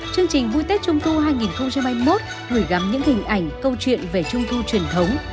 chương trình vui tết trung thu hai nghìn hai mươi một gửi gắm những hình ảnh câu chuyện về trung thu truyền thống